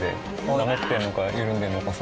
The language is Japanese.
なめてるのか緩んでるのかさ